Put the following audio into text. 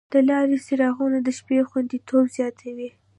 د لارې څراغونه د شپې خوندیتوب زیاتوي.